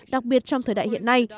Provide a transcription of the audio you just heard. đặc biệt trong thời đại hiện nay